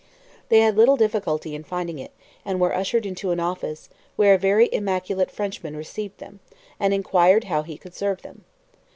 They had little difficulty in finding it, and were ushered into an office, where a very immaculate Frenchman received them, and inquired how he could serve them.